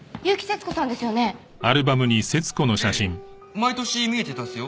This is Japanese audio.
毎年見えてたっすよ。